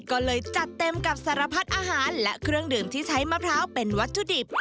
ก็เลยจัดเต็มกับสารพัดอาหารและเครื่องดื่มที่ใช้มะพร้าวเป็นวัตถุดิบ